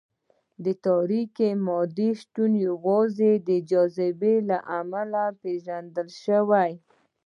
د تاریک مادې شتون یوازې د جاذبې له امله پېژندل شوی.